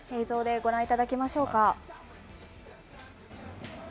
映像でご覧いただきましょうか。